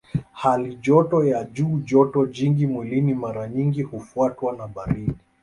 Hali joto ya juu joto jingi mwilini mara nyingi hufuatwa na baridi